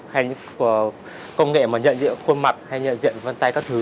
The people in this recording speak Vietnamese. hay những công nghệ mà nhận diện khuôn mặt hay nhận diện vân tay các thứ